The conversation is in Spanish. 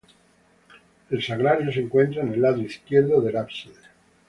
El sagrario se encuentra en el lado izquierdo del ábside.